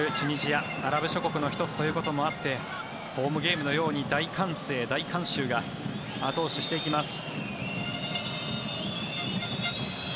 アラブ諸国の１つということもあってホームゲームのように大歓声、大観衆が後押ししていきます。